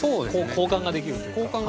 交換ができるというか。